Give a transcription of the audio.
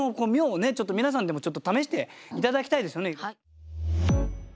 ちょっと皆さんでも試して頂きたいですよね。